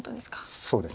そうですね。